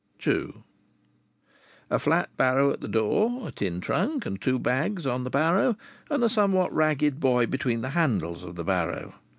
II A flat barrow at the door, a tin trunk and two bags on the barrow, and a somewhat ragged boy between the handles of the barrow!